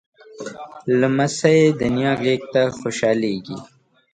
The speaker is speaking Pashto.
لمسی د نیا غېږ ته خوشحالېږي.